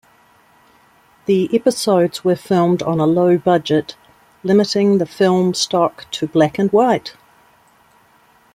The episodes were filmed on a low budget, limiting the film stock to black-and-white.